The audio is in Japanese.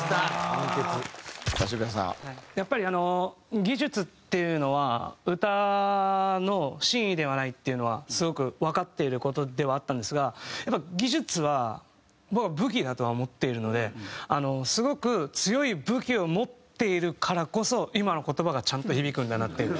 やっぱり技術っていうのは歌の真意ではないっていうのはすごくわかっている事ではあったんですが技術は僕は武器だとは思っているのですごく強い武器を持っているからこそ今の言葉がちゃんと響くんだなっていう。